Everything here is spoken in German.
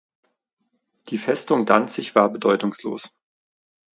Die Festung Danzig war bedeutungslos.